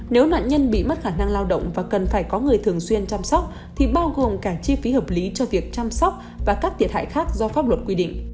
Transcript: nếu nạn nhân bị mất khả năng lao động và cần phải có người thường xuyên chăm sóc thì bao gồm cả chi phí hợp lý cho việc chăm sóc và các thiệt hại khác do pháp luật quy định